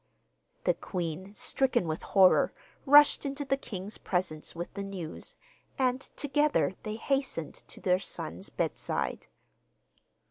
The queen, stricken with horror, rushed into the king's presence with the news, and together they hastened to their son's bedside.